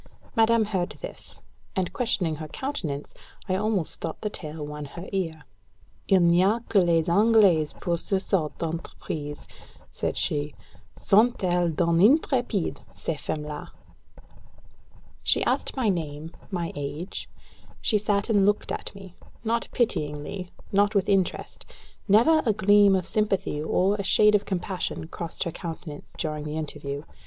Madame heard this; and questioning her countenance, I almost thought the tale won her ear. "Il n'y a que les Anglaises pour ces sortes d'entreprises," said she: "sont elles done intrépides, ces femmes là!" She asked my name, my age; she sat and looked at me not pityingly, not with interest: never a gleam of sympathy or a shade of compassion crossed her countenance during the interview.